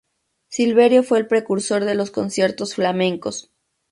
Silverio fue el precursor de los conciertos flamencos.